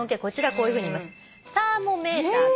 こういうふうに言います。